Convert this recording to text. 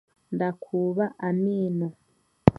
Ndakuuba amaino.